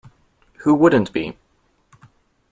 Who wouldn't be?